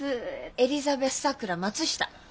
エリザベス・さくら・松下。